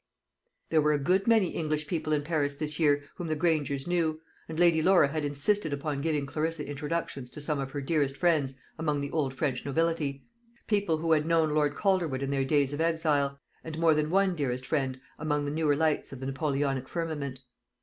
There were a good many English people in Paris this year whom the Grangers knew, and Lady Laura had insisted upon giving Clarissa introductions to some of her dearest friends among the old French nobility people who had known Lord Calderwood in their days of exile and more than one dearest friend among the newer lights of the Napoleonic firmament.